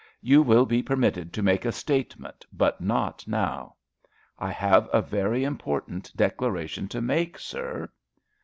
"You will be permitted to make a statement, but not now." "I have a very important declaration to make, sir."